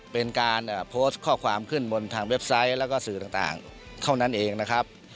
เป็นการโพสต์ข้อความขึ้นบนทางเว็บไซต์แล้วก็สื่อต่างเท่านั้นเองนะครับ